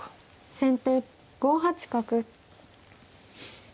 先手５八角。